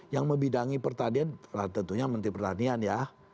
yang membidangi pertanian tentunya menteri pertanian ya